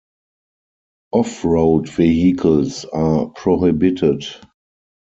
Off-road vehicles are prohibited.